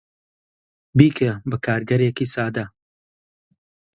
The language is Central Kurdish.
بیکە بە کارگەرێکی سادە.